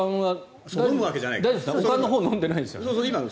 お燗のほう飲んでないですよね。